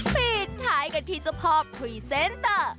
ปิดท้ายกันที่เจ้าพ่อพรีเซนเตอร์